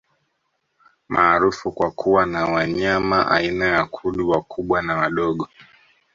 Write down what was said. Maarufu kwa kuwa na wanyama aina ya Kudu wakubwa na wadogo